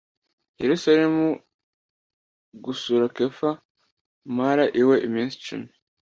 Yerusalemu gusura kefa mara iwe iminsi cumi